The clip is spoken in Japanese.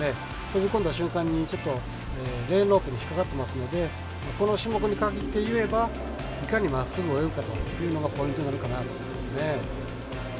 飛び込んだ瞬間にちょっとレーンロープに引っ掛かってますのでこの種目に限って言えばいかにまっすぐ泳ぐかというのがポイントになるかなと思いますね。